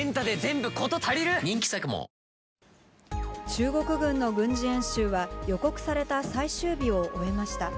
中国軍の軍事演習は、予告された最終日を終えました。